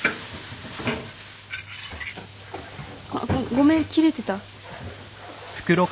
ごめん切れてた？